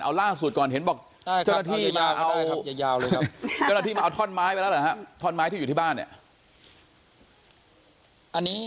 เอาล่าสุดก่อนเห็นบอกเจ้าหน้าที่มาเอาท่อนไม้ไปแล้วเหรอครับท่อนไม้ที่อยู่ที่บ้านเนี่ย